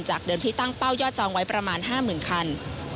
เดิมที่ตั้งเป้ายอดจองไว้ประมาณ๕๐๐๐คัน